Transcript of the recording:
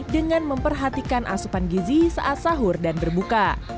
dengan memperhatikan asupan gizi saat sahur dan berbuka